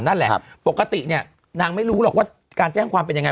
นั่นแหละปกติเนี่ยนางไม่รู้หรอกว่าการแจ้งความเป็นยังไง